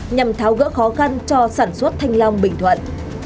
nhằm tháo gỡ khó khăn cho sản xuất thanh long bình thuận